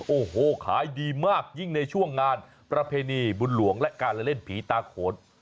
โอ้โหขายดีมากยิ่งในช่วงงานประเพณีบุญหลวงและการเล่นผีตาโขน